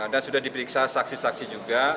dan sudah diperiksa saksi saksi juga